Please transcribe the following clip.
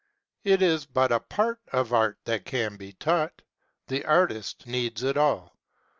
It is but a part of art that can be taught: the artist needs it all.